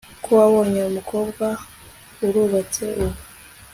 ko wabonye umukobwa urubatse ubu